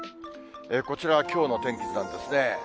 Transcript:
こちらはきょうの天気図なんですね。